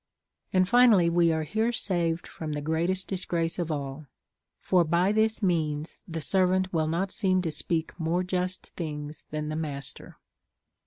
And finally we are here saved from the greatest disgrace of all, for by this means the servant Avill not seem to speak mo e just things than his master.